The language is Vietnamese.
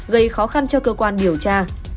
gây khó khăn cho cơ quan điều tra